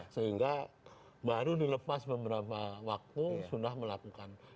sehingga baru dilepas beberapa waktu sudah melakukan